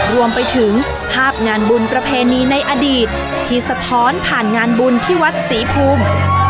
รวมไปถึงภาพงานบุญประเพณีในอดีตที่สะท้อนผ่านงานบุญที่วัดศรีภูมิ